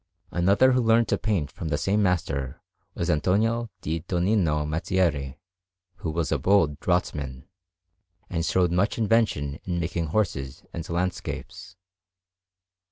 Another who learnt to paint from the same master was Antonio di Donnino Mazzieri, who was a bold draughtsman, and showed much invention in making horses and landscapes.